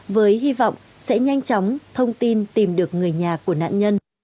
với hy vọng sẽ nhanh chóng thông tin tìm được người nhà của nạn nhân